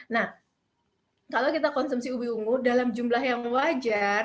nah kalau kita konsumsi ubi ungu dalam jumlah yang wajar